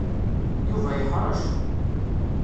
Yuba yeḥṛec.